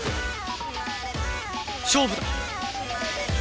勝負だ！